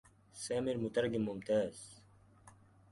سامر مترجم ممتاز.